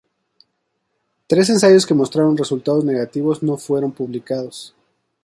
Tres ensayos que mostraron resultados negativos no fueron publicados.